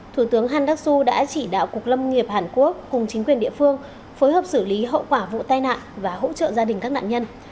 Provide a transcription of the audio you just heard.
thủ tướng handasu đã chỉ đạo cục lâm nghiệp hàn quốc cùng chính quyền địa phương phối hợp xử lý hậu quả vụ tai nạn và hỗ trợ gia đình các nạn nhân